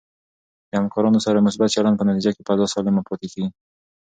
د همکارانو سره د مثبت چلند په نتیجه کې فضا سالمه پاتې کېږي.